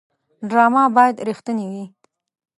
ډرامه باید رښتینې وي